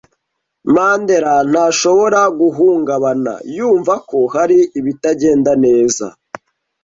Mandera ntashobora guhungabana yumva ko hari ibitagenda neza.